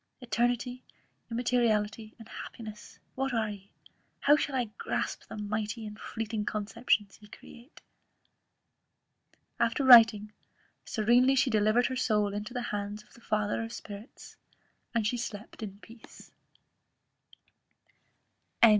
Eternity, immateriality, and happiness, what are ye? How shall I grasp the mighty and fleeting conceptions ye create?" After writing, serenely she delivered her soul into the hands of the Father of Spirits; and slept in peace. CHAP.